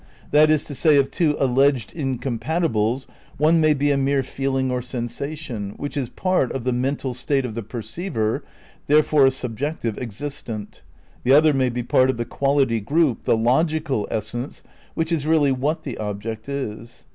That is to say, of two alleged incompat ibles one may be a mere feeling or sensation, which is part of the "mental state" of the perceiver, therefore a subjective existent ; the other may be part of the qual ity group, the logical essence, which is really what the object is.